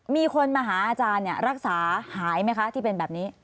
มีคนมาหาอาจารย์รักษาหายไหมคะที่เป็นแบบนี้